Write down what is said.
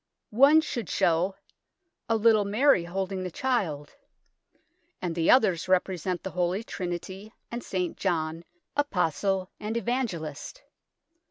One should show " a little Mary holding the Child," and the others represent the Holy Trinity and St. John, Apostle and Evangelist.